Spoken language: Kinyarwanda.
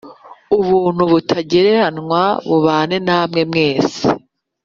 Ubuntu butagereranywa bubane namwe mwese f